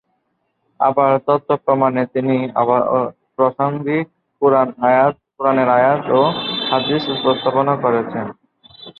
আবার তথ্য-প্রমাণে তিনি প্রাসঙ্গিক কোরআনের আয়াত ও হাদিস উপস্থাপন করেছেন।